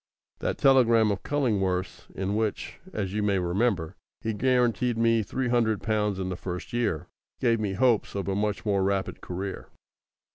That telegram of Cullingworth's in which, as you may remember, he guaranteed me three hundred pounds in the first year, gave me hopes of a much more rapid career.